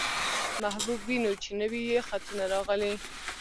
محبوب وينو، چې نوي يې خطونه راغلي.